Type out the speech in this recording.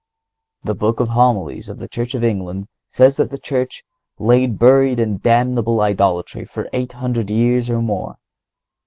The Book of Homilies of the Church of England says that the Church "lay buried in damnable idolatry for eight hundred years or more."